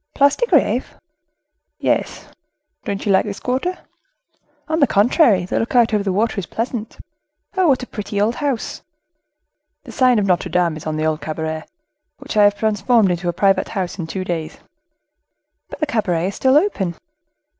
"Place de Greve?" "Yes; don't you like this quarter?" "On the contrary, the look out over the water is pleasant. Oh! what a pretty old house!" "The sign Notre Dame; it is an old cabaret, which I have transformed into a private house in two days." "But the cabaret is still open?"